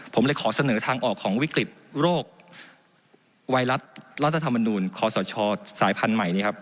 ผมเลยขอเสนอทางออกของวิกฤตโรคไวรัสรัฐธรรมนูลคอสชสายพันธุ์ใหม่นี้ครับ